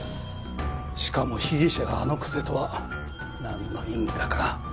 しかも被疑者があの久瀬とはなんの因果か。